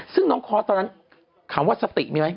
ซึ่งน้องคอร์สตอนนั้นถามว่าสติมีไหม